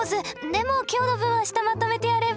でも今日の分は明日まとめてやれば。